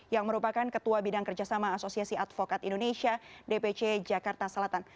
yang merupakan ketua bidang kerjasama asosiasi advokat indonesia dpc jakarta selatan